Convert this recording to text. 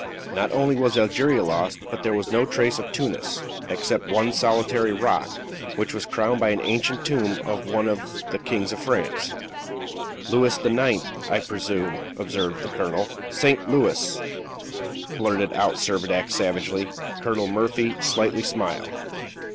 Not only was Algeria lost, but there was no trace of Tunis, except one solitary rock, which was crowned by an ancient tomb of one of the kings of France " "Louis the Ninth, I presume," observed the colonel. "Saint Louis," blurted out Servadac, savagely. Colonel Murphy slightly smiled.